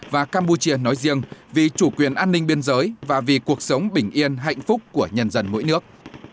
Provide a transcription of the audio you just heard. và campuchia nói riêng vì chủ quyền an ninh biên giới và vì cuộc sống bình yên hạnh phúc của nhân dân mỗi nước